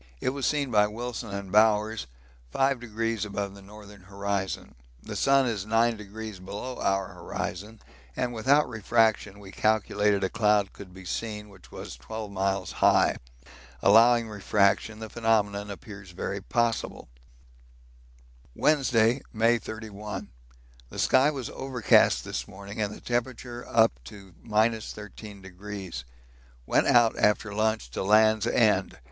It was seen by Wilson and Bowers 5° above the northern horizon the sun is 9° below our horizon, and without refraction we calculate a cloud could be seen which was 12 miles high. Allowing refraction the phenomenon appears very possible. Wednesday, May 31. The sky was overcast this morning and the temperature up to 13°. Went out after lunch to 'Land's End.'